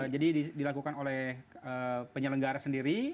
jadi dilakukan oleh penyelenggara sendiri